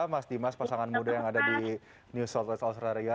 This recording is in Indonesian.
mas dimas pasangan muda yang ada di new south wales australia